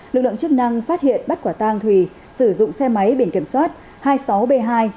lực lượng chức năng phát hiện bắt quả tang thùy sử dụng xe máy biển kiểm soát hai mươi sáu b hai sáu mươi sáu nghìn sáu trăm linh sáu